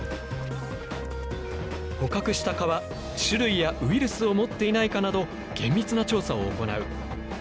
捕獲した蚊は種類やウイルスを持っていないかなど厳密な調査を行う。